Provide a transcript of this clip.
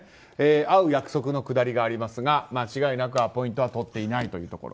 会う約束のくだりがありますが間違いなくアポイントはとっていないというところ。